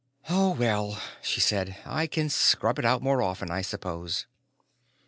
"Oh, well," she said, "I can scrub it out more often, I suppose."